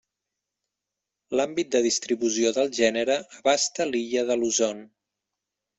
L'àmbit de distribució del gènere abasta l'illa de Luzon.